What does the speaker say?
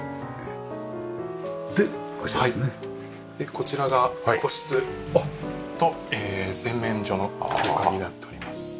こちらが個室と洗面所の空間になっております。